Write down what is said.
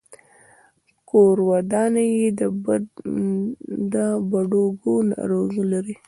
کورودانه يې د بډوګو ناروغي لري.